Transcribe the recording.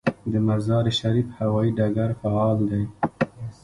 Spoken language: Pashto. د مزار شریف هوايي ډګر فعال دی